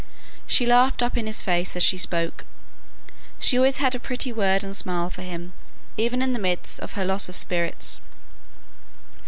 She laughed up in his face as she spoke; she had always a pretty word and smile for him, even in the midst of her loss of spirits.